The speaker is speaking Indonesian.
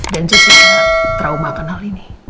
dan jessica terumahkan hal ini